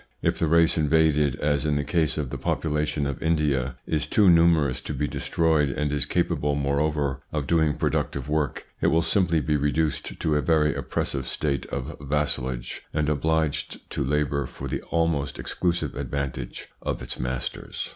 If the race invaded, as in the case of the population of India, is too numerous to be destroyed, and is capable moreover of doing productive work, it will simply be reduced to a very oppressive state of vassalage, and ITS INFLUENCE ON THEIR EVOLUTION 145 obliged to labour for the almost exclusive advantage of its masters.